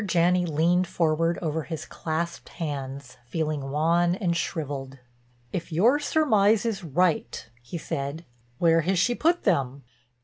Janney leaned forward over his clasped hands, feeling wan and shriveled. "If your surmise is right," he said, "where has she put them?"